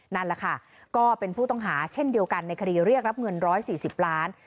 นั่นแหละค่ะก็เป็นผู้ต้องหาเช่นเดียวกันในคดีเรียกรับเงิน๑๔๐ล้าน